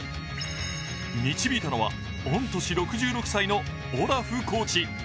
導いたのは、御年６６歳のオラフコーチ。